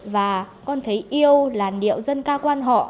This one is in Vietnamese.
và con thấy yêu làn điệu dân cao quan họ